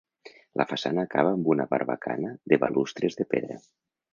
La façana acaba amb una barbacana de balustres de pedra.